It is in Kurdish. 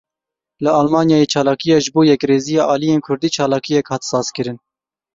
Li Almanyayê çalakiya ji bo yekrêziya aliyên kurdî çalakiyek hat sazkirin.